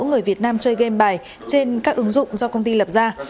người việt nam chơi game bài trên các ứng dụng do công ty lập ra